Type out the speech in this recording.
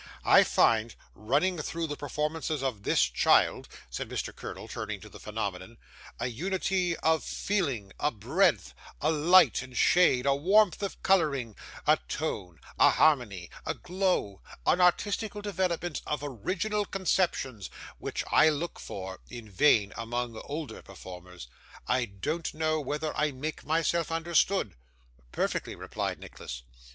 I find, running through the performances of this child,' said Mr. Curdle, turning to the phenomenon, 'a unity of feeling, a breadth, a light and shade, a warmth of colouring, a tone, a harmony, a glow, an artistical development of original conceptions, which I look for, in vain, among older performers I don't know whether I make myself understood?' 'Perfectly,' replied Nicholas.